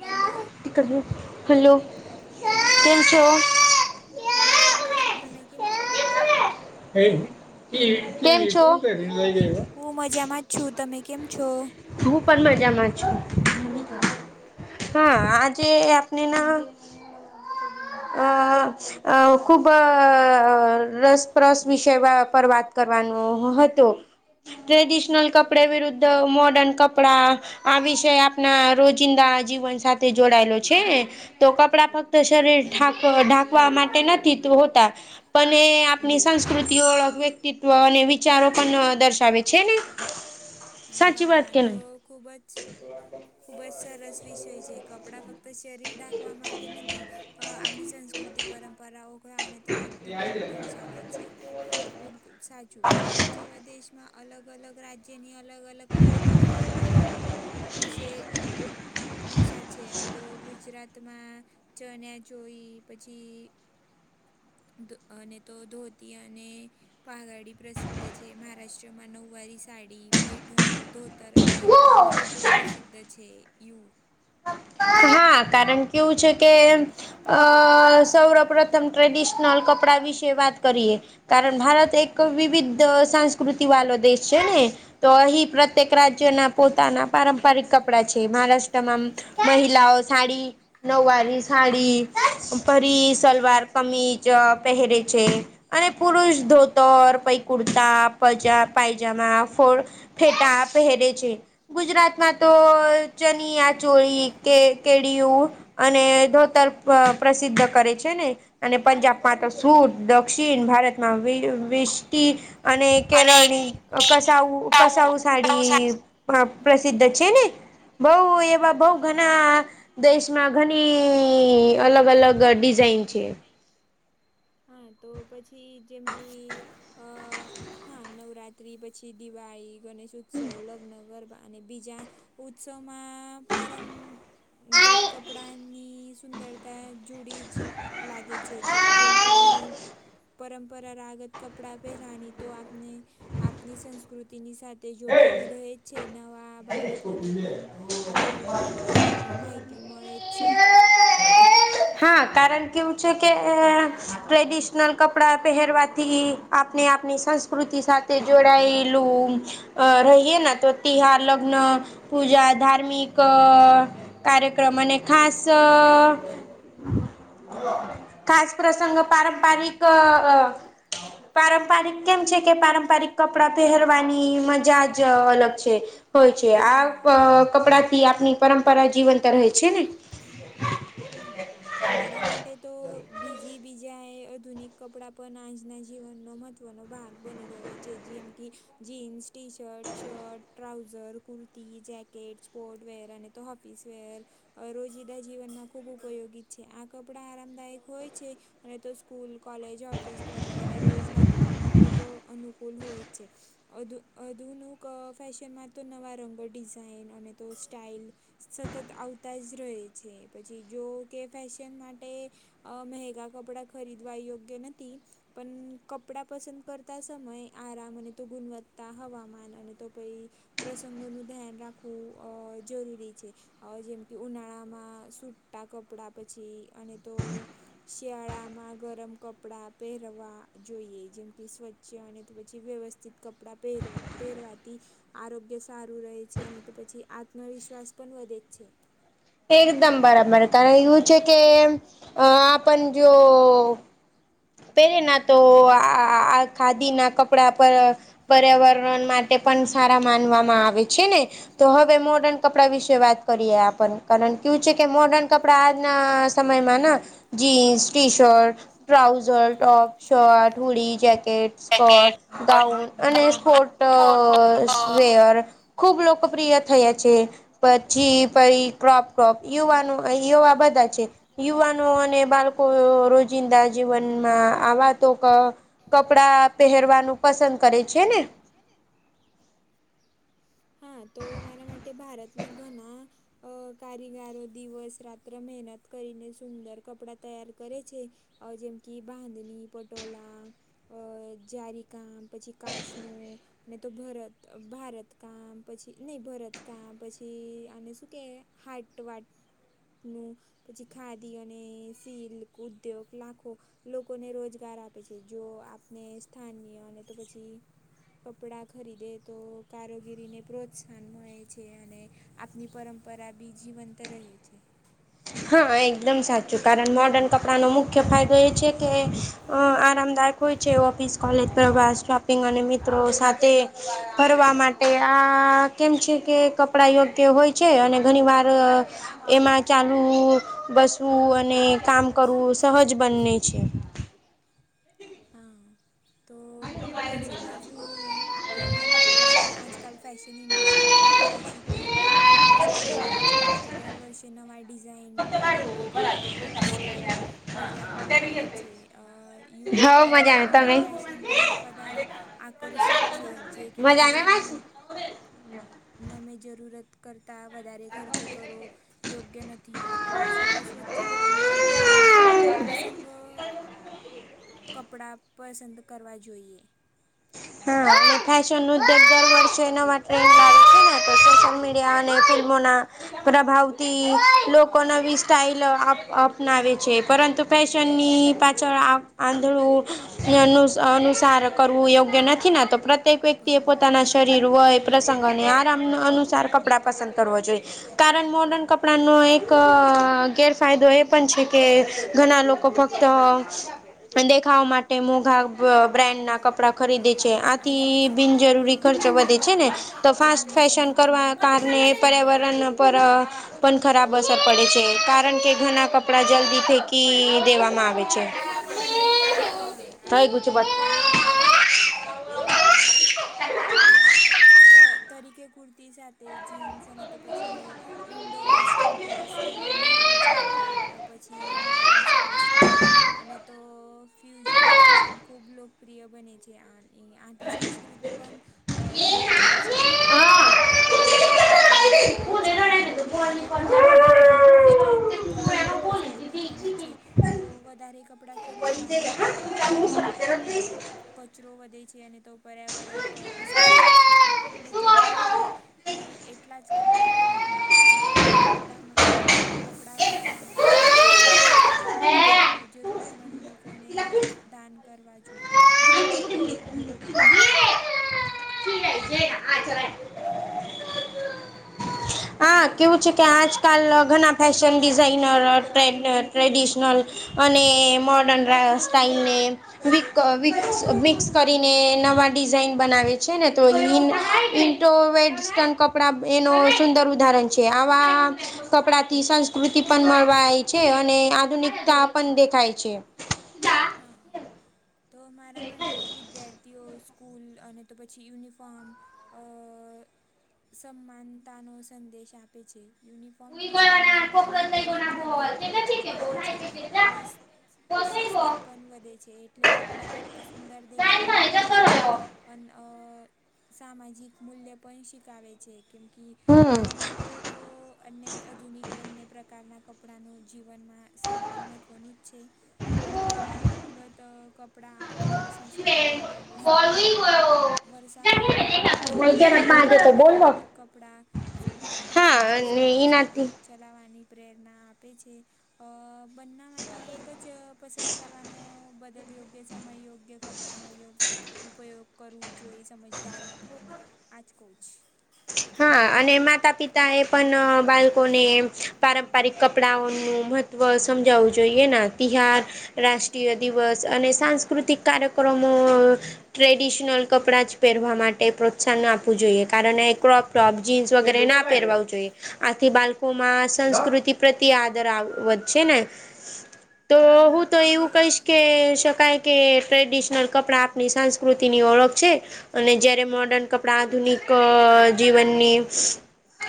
Hello. એક જ મી હલો. કેમ છો, હું મજામાં છું, તમે કેમ છો? કેમ છો? હું મજામાં જ છું, તમે કેમ છો? હું પણ મજામાં છું. હા આજે આપને ના અ આં- અ ખુબઅ અ અ રસપ્રસ વિષય પર વાત કરવાનું હતું. ટ્રેડિશનલ કપડા વિરુદ્ધ મોર્ડન- કપડા આ વિષય આપણા રોજિંદા જીવન સાથે જોડાયેલો છે. તો કપડા ફક્ત શરીર ઢાક ઢાંકવા માટે નથી ત હોતા. પને આપની સંસ્કૃતિઓ વ્યક્તિત્વ અને વિચારો પણ દર્શાવે છે ને. અ વાહ તો ખુબ જ- ખૂબ જ સરસ વિષય છે કપડાં ફક્ત શરીર ઢાંકવા માટે નથી અ આપની સં કૃતિ પરંપરા ઓ ગ અને તો વ્યક્તિ પણ દર્શાવે છે. હા બિલકુલ સાચું ભારત જેવા દેશમાં અલગ અલગ રાજ્યની અલગ અલગ- પરંપરા વિશે- ભૂષા છે અને તો ગુજરાતમાં- ચણિયાચોળી પછી- ધો અને તો ધોતીયા અને- પઘાડી પ્રસિદ્ધ છે મહારાષ્ટ્રમાં નવવારી સાડી પૈઠણી- ધોતર અને ફોટો પ્રસિદ્ધ છે. યુ- હા કારણ કેવું છે કે- અ સૌર પ્રથમ ટ્રેડિશનલ કપડાં વિશે વાત કરીએ. કારણ ભારત એક વિવિધ સંસ્કૃતિ વાલો દેશ છે ને. તો અહી પ્રત્યેક રાજ્યના પોતાના પારંપરિક કપડા છે. મહારાષ્ટ્રમાં- મહિલાઓ સાડી- નવવાર ની સાડી પરી સલવાર કમીજ પહેરે છે. અને પુરુષ ધોતર પૈ કુર્તા પજા પાયજામા ફોર ફેટા પહેરે છે ગુજરાતમાં તો ચનિયા ચોળી કે- કેડીયું અને ધોતર પ્ર પ્રસિદ્ધ કરે છે ને. અને પંજાબમાં તો સુર દક્ષિણ ભારતમાં વષ- અને કેરળ કસાઉ કસઉ સાડી- પ્રસિદ્ધ છે ને બઉ એવા બઉ ઘણા- દેશમાં ઘણી અલગ અલગ ડિઝાઇન છે. હા તો પછી જેમ કે- અ હા નવરાત્રી પછી દિવાળી- ગણેશ ઉત્સવ લગ્ન ગરબા અને બીજા ઉત્સવમાં પરં ગત કપડાંની સુંદરતા જોડી જ લાગે છે જેમ ક ઈ પરંપરારાગત કપડાં પહેરઆની તો આપને આપની સંસ્કૃતિની- સાથે જોડાયેલી રહે- છે નવા બાલકોને પણ આપની પરંપરાની માહિતી મળે જ છે. કારણ કેવું છે કે એ ટ્રેડિશનલ કપડા પહેરવાથી આપણે આપની સંસ્કૃતિ સાથે જોડાયેલું અ રહીયએ નો તો તે આ લગ્ન પૂજા ધાર્મિક કાર્યક્રમ અને ખાસ અ ખાસ પ્રસંગ પારંપરિકઅ પારંપારિક કેમ છે કે પારંપરિક કપડા પહેરવાની મજા જ અલગ છે. હોય છે આ કપડાથી આપણી પરંપરા જીવંત રહે છે ને. મારા માટે તો બીજી બીજા એ આધુનિક કપડાં પણ આજના જીવનનો મહત્વનો ભાગ બની ગયો છે જેમ કે jeans T shirt shirt trouser kurti તી જેકેટ સ્પોર્ટ વેર અને તો હફિસ વેર રોજિદા જીવનમાં ખૂબ ઉપયોગી છે આ કપડાં આરામદાયક હોય છે અને તો સ્કૂલ કોલેજ ઓફિસ પ્રવાસ અને રોજના કામ માટે તો અનુકૂળ હોય જ છે ુ અધુન ફેશનમાં તો નવા રંગો ડિઝાઇન અને તો સ્ટાઈલ સતત આવતા જ રહે છે પછી જો કે ફેશન માટે મહેગા કપડાં ખરીદવા યોગ્ય નથી પણ કપડાં પસંદ કરતા સમયે આરામ અને તો ગુણવત્તા હવામાન અને તો પઈ પ્રસંગોનું ધ્યાન રાખવું અ જરૂરી છે જેમ કે ઉનાળામાં સૂટા કપડાં પછી અને તો શિયાળામાં ગરમ કપડાં પહેરવા જોઈએ જેમ કે સ્વચ્છ છે અને તો પછી વ્યવસ્થિત કપડાં પહેરવા પહેરવાથી આરોગ્ય સારું રહે છે અને તો પછી આત્મવિશ્વાસ પણ વધે જ છે એકદમ બરાબર કારણ એવું છે કે આપણ જો પેલે ના તો આ આ ખાદીના કપડા પર પર્યાવરણ માટે પણ સારા માનવામાં આવે છે ને તો હવે મોડન કપડા વિશે વાત કરીએ આપને કારણ કું છે કે મોર્ડર્ન કપડા આજના સમયમાં jeans T shirt trouser top shirt hoodie jacket skort gown અને સ્પોટ વેયર ખૂબ લોકપ્રિય થયા છે પછી પરી ક્રોપ ક્રોપ ુવાનું વા બધા છે યુવાનો અને બાળકો રોજિંદાજ જીવનમાં આવા તો ક કપડા પહેરવાનું પસંદ કરે છે ને છે ને હા તો મારા માટે ભારતના ઘણા અ કારીગરો દિવસ રાત્ર મહેનત કરીને સુંદર કપડા તૈયાર કરે છે જેમ કે બાંધની પટોલા અ જારી કામ પછી કાચનું તો ભરત ભારત કામ પછી નહીં ભરત કામ પછી આને શું કેહે હાટ વાટ- નું પછી ખાદી અને સિલ્ક ઉદ્યોગ લાખો- લોકોને રોજગાર આપે છે જો આપને સ્થાનય અને તો પછી- કપડા ખરીદે તો કારો- કગીરીને પ્રોત્સાહન મળે છે અને આપની પરંપરા બી જીવંત રહે છે. હા એકદમ સાચું કારણ મોર્ડર્ન કપડાનો મુખ્ય ફાયદો એ છે કે અ આરામદાયક હોય છે ઓફિસ કોલેજ પ્રવાસ શોપિંગ અને મિત્રો સાથે ફરવા માટે આ કેમ છે કે કપડા યોગ્ય હોય છે અને ઘણી વાર એમાં ચાલવું બસવું અને કામ કરવું સહજ બંને છે. [inaudible] તો બીજી બાજુ એયમ કહીશ કે આજકાલ ફેશન ઇન્ડસ્ટ્રી ખૂબ તેજીથી વિકાસ કરી રહી છે અને તો દર વર્ષે કે નવા ડિઝાઇન રંગ કપડાં અને તો સ્ટાઇલ બજારમાં આવે છે ુવા વર્ગ આધુનિક ફેશન તરફ વધારે આકર્ષિત છે જે કે ફેશનમાં હમ નમે જરૂરત કરતાં વધારે ખર્ચ કરો યોગ્ય નથી. થી આ તો સદા સ્વચ્છ આરામદાયક અને પ્રસંગ કપડાં પસંદ કરવા જોઈએ હા ફેશનનો ઉદગ દરબડ છે નવા ટ્રેન્ડ આવે છે ને તો સોશિયલ મીડિયા અને ફિલ્મોના- પ્રભાવતી લોકો નવી સ્ટાઈલ અપ અપનાવે છે પરંતુ ફેશનની પાછળ અંધ આંધળું અનુસાર કરવું યોગ નથી નાતો [unintelligible] પ્રક વ્યક્તિએ પોતાના શરીર વય પ્રસંગોને આરામ અનુસાર કપડાં પસંદ કરવો જોઈએ. કારણ મોર્ડર્ન કપડાનો એક ગેરફાયદો એ પણ છે- કે ઘણા લોકો ફક્ત દેખાવ માટે મોઘા બ્ર્રેન્ડના કપડા દ [unintelligible] આથી બિનજરૂરી ખર્ચ વધે છે ને તો ફાસ્ટ ફેશન કરવા કારણે પર્યાવરણ પર અ પણ ખરાબ અસર પડે છે કારણ કે ઘણા કપડા જલ્દી ફેકી દેવામાં આવે છે. હા તો હું એનું- [unintelligible] તે જીન્સ અને તો પછી Indo western dress Nehru jacket પછી મોર્ડન સાડી સ્ટાઇલ અને તો ફ્યુજન ફૅશન ખૂબ લોકપ્રિય બને છે [unintelligible] આથી સંસ્કૃતિ પણ અ જોવાય છે અને તો આધુનિકતા પણ અપનાવી શકે છે. પર્યાવરણ દૃષ્ટિએ પણ કપડાંની પસંદ મહત્ત્વની છે. તો વધારે કપડાં ખરીદવાની આદત અ કચરો વધે છે અને તો પર્યાવરણ પર અસર પડે છે તો એટલે જરૂરી હોય કે એટલા જ કપડાં ખરીદવા મારા ગુણવત્તા ના કપડાં વાપરાવામાં અને તો જૂના કપડાં અ જરૂરતમંદ લોકોને દાન કરવા જોઈએ. કેવું છે કે આજકાલ ઘણા ફેશન ડિઝાઇનર ટ્રેડ ટ્રેડિશનલ અને મોર્ડન ર સ્ટાાઈલને વીક વિક્સ મિક્સ કરીને નવા ડિઝાઇન બનાવે છે ને તો ઈ ઈ તો વેસ્ટર્ન કપડા એનું સુંદર ઉદાહરણ છે આવા કપડાથી સંસ્કૃતિ પણ મળવાય છે અને આધુનિકતા પણ દેખાય છે. હા તો મારા માટે વિદ્યાર તેઓ સ્કૂલ અને તો પછી યુનિફોર્મ અ સમાનતાનો સંદેશ આપે છે. યુનિફોર્મ શ્રીમંત અને ગરીબનો ભેદ ઓછો થાય છે અને [unintelligible] પણ વધે છે એટલે કપડાં ફક્ત સુંદર દેખાવા માટે જ નથી પણ અ સામાજિક મૂલ્ય પણ શીખાવે છે કેમ કી મારા મતે તો અને આધુનિક બંને પ્રકારનાં કપડાંનું જીવનમાં સન્માન મહત્ત્વનું જ છે. પરંપરાગત કપડાં આંખની સંસ્કૃતિ અને વસ્તુ- વરસાનું- રક્ષણ કરે છે જ્યારે આધુનિક કપડાં સુવિધા આરામ અને સમય સાથે જ- ચલાવવાની પ્રેરણા આપે છે અ બંનામાંથી એક જ- પસંદ કરવાનો બદલ યોગ્ય સમય યોગ્ય કપડાંનો યોગ ઉપયોગ કરવું જોઈએ સમજદારીથી આંચકોહ જ હા અને માતા પિતા એ પણ બાળકોને પારંપરિક કપડાઓનું સમજાવવું જોઈએ તિહાર રાષ્ટ્રીય દિવસ અને સાંસ્કૃતિક કાર્યક્રમો ટ્રેડિશનલ કપડા જ પહેરવા માટે પ્રોત્સાહન આપવું જોઈએ કારણે ક્રોપ ટોપ જીન્સ- વગેરે ના પહેરવાવું જોઈએ. આથી બાળકો માં સંસ્કૃતિ પ્રત આદર આવ વધશે ને- તો હું તો એવું કહીશ કે શકાય. કે ટ્રેડિશનલ કપડાં આપની સંસ્કૃતિની ઓળખ છે. અને જયારે મોર્ડર્ન કપડા આધુનિક જીવનની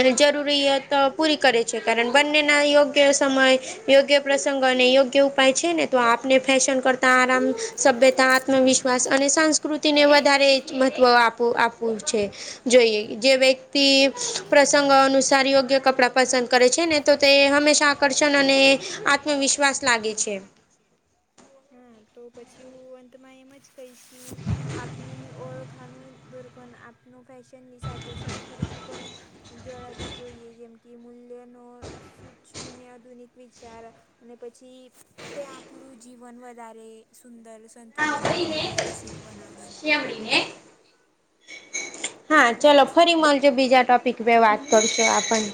અને જરૂરિયાત પૂરી કરે છે કારણ બંનેના યોગ્ય સમય યોગ્ય પ્રસંગ અને યોગ્ય ઉપાય છે ને તો આપણે ફેશન કરતા આરામ સભ્યતા, આત્મવિશ્વાસ અને સંસ્કૃતિને વધારે મહત્ત્વ આપું આપવું છે. જોઈએ. જે વ્યક્તિ પ્રસંગો અનુસાર યોગ્ય કપડાં પસંદ કરે છે ને તો તે હંમેશા હંમેશા આકર્ષણ અને આત્મવિશ્વાસ લાગે છે. હા, તો પછી હું અંતમાં એમ જ કઈશું. આપની ઓળખાનું દુરપણ આપનું ફેશનની સાથે સંસ્કૃતિ પણ જળાવી જોઈએ જેમ કે મૂલ્યનો સૂચવીને આધુનિક વિચાર અને પછી તે આપણું જીવન વધારે સુંદર, સંતુલિત અને પ્રગતિશીલ બનાવશે. હા, ચાલો ફરી મલજો બીજા ટોપિક બે વાત કરશો આપણને.